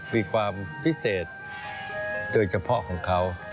มีความพิเศษโดยเฉพาะของเขา